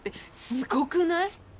すごくない？